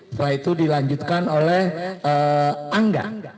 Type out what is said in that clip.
setelah itu dilanjutkan oleh angga